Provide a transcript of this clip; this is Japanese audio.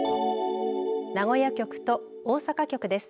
名古屋局と大阪局です。